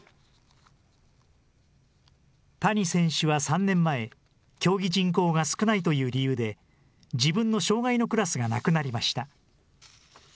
谷選手は３年前、競技人口が少ないという理由で、自分の障害のクラスがなくなりました。